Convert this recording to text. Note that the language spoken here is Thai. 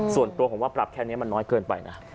ส่วนตัวผมว่าปรับแค่นี้มันน้อยเกินไปนะ